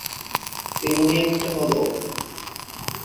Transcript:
তেমনি একটি হলোঃ-